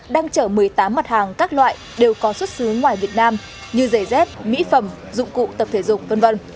đang chở một mươi tám mặt hàng các loại đều có xuất xứ ngoài việt nam như giày dép mỹ phẩm dụng cụ tập thể dục v v